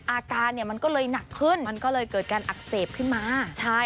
อาการเนี่ยมันก็เลยหนักขึ้นมันก็เลยเกิดการอักเสบขึ้นมาใช่